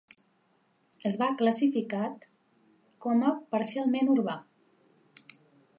Es va classificat com a parcialment urbà.